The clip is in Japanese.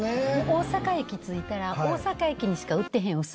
大阪駅着いたら大阪駅にしか売ってへん。